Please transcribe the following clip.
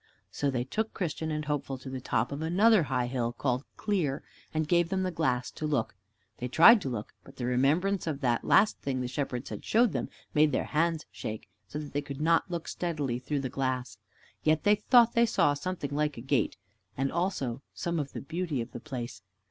So they took Christian and Hopeful to the top of another high hill, called Clear, and gave them the glass to look. They tried to look, but the remembrance of that last thing the Shepherds had showed them made their hands shake, so that they could not look steadily through the glass. Yet they thought they saw something like the gate, and also some of the beauty of the place.